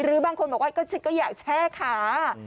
บางคนบอกว่าฉันก็อยากแช่ขา